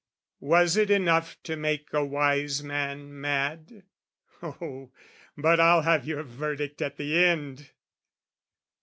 Was it enough to make a wise man mad? Oh, but I'll have your verdict at the end!